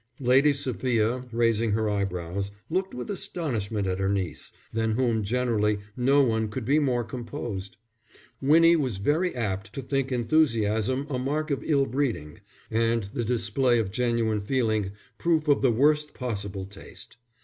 Lady Sophia, raising her eyebrows, looked with astonishment at her niece, than whom generally no one could be more composed. Winnie was very apt to think enthusiasm a mark of ill breeding, and the display of genuine feeling proof of the worst possible taste.